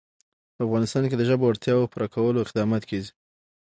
په افغانستان کې د ژبو اړتیاوو پوره کولو اقدامات کېږي.